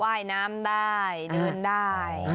ว่ายน้ำได้เดินได้